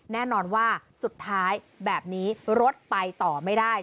แน่นอนว่าสุดท้ายแบบนี้รถไปต่อไม่ได้